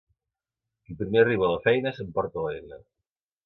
Qui primer arriba a la feina s'emporta l'eina.